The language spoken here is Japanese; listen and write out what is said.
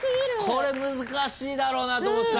これ難しいだろうなと思って。